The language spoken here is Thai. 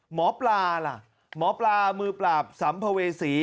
หมอปลาล่ะหมอปลามือปราบสัมภเวษี